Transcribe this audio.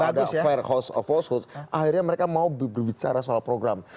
ada fair house of hosthood akhirnya mereka mau berbicara soal program